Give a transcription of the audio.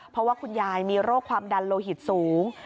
เพราะว่าคุณยายมีโรคความดันโลหิตสูง